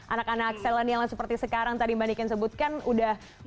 anak anak selenial yang seperti sekarang tadi manikin sebutkan udah berusaha